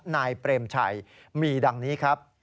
นายเปรมชัยมีดังนี้